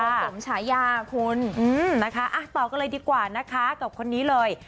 สมฉายาคุณนะคะต่อกันเลยดีกว่านะคะกับคนนี้เลย